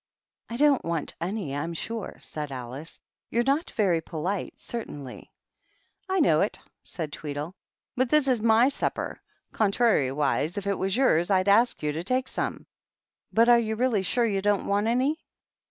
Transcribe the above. " I don't want any, I'm sure," eaid Alice. "You're not very polite, certainly." «v *' I know it," said Tweedle ;" but this is m\ supper ; contrariwise, if it was yours, I'd ask yoi to take some. But are you really sure you don' want any?"